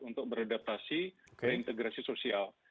untuk beredaptasi dan integrasi sosial